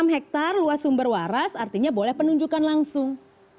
enam hektare luas sumber waras artinya boleh penunjukan langsung